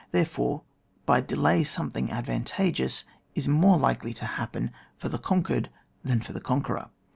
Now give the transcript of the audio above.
There fore, by delay something advantageous is more likely to happen for the con quered than for the conqueror.